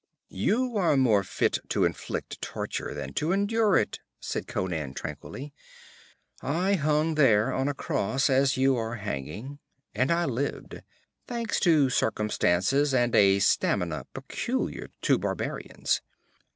'You are more fit to inflict torture than to endure it,' said Conan tranquilly. 'I hung there on a cross as you are hanging, and I lived, thanks to circumstances and a stamina peculiar to barbarians.